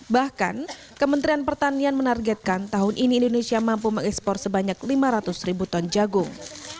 bahkan kementerian pertanian menargetkan tahun ini indonesia mampu mengekspor sebanyak lima ratus ribu ton jagung